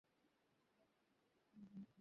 ভুল পথে যাও, তোমার ইচ্ছা তারা এই দিকে গেছে।